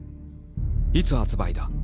「いつ発売だ？